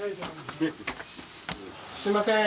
すいません。